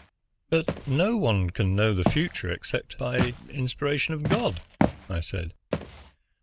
"But no one can know the future except by inspiration of God," I said.